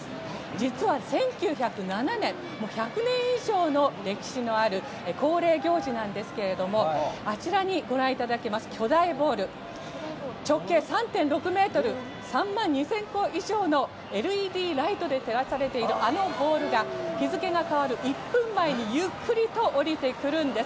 実は、１９０７年１００年以上の歴史のある恒例行事なんですけどもあちらにご覧いただけます巨大ボール直径３．６ｍ３万２０００個以上のＬＥＤライトで照らされているあのボールが日付が変わる１分前にゆっくりと下りてくるんです。